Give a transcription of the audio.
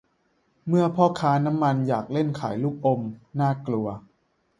เมื่อพ่อค้าน้ำมันอยากเล่นขายลูกอม น่ากลัว